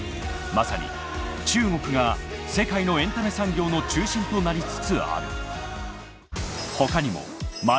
まさに中国が世界のエンタメ産業の中心となりつつある。